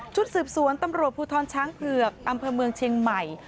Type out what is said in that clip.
สืบสวนตำรวจภูทรช้างเผือกอำเภอเมืองเชียงใหม่